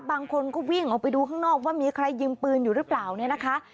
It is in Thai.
บางคนก็วิ่งออกไปดูข้างนอกว่ามีใครยืมปืนอยู่หรือเปล่าเนี่ยนะคะ